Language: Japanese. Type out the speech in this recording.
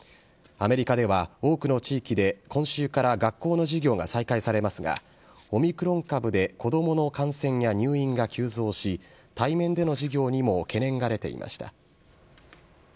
アメリカでは多くの地域で、今週から学校の授業が再開されますが、オミクロン株で子どもの感染や入院が急増し、対面での授業にも懸念が出ていました。